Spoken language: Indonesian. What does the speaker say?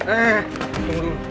eh eh eh tunggu dulu